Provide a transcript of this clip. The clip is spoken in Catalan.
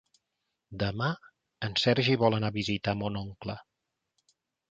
Demà en Sergi vol anar a visitar mon oncle.